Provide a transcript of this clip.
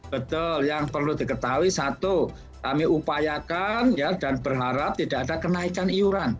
betul yang perlu diketahui satu kami upayakan dan berharap tidak ada kenaikan iuran